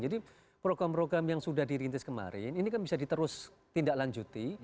jadi program program yang sudah dirintis kemarin ini kan bisa diterus tindaklanjuti